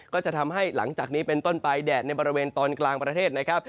ก็จะทำให้หลังจากนี้เป็นต้นไปแดดในบริเวณตอนกลางประเทศนะครับ